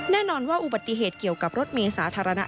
แน่นอนว่าอุบัทย์ที่เกี่ยวกับรถเมธศาสตราแหละ